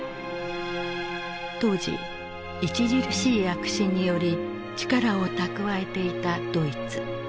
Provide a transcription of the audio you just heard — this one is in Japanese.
当時著しい躍進により力を蓄えていたドイツ。